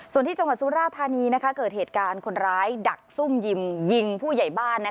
ส่วนที่จังหวัดสุราธานีเกิดเหตุการณ์คนร้ายดักซุ่มยิมยิงผู้ใหญ่บ้าน